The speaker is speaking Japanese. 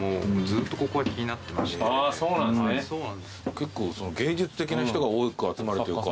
結構芸術的な人が多く集まるというか。